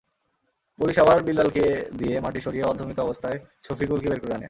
Police আবার বিল্লালকে দিয়ে মাটি সরিয়ে অর্ধমৃত অবস্থায় সফিকুলকে বের করে আনে।